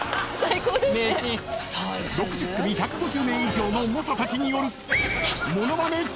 ［６０組１５０名以上の猛者たちによる］